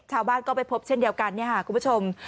ชาวบ้านก็ไปพบเช่นเดียวกันคุณผู้ชม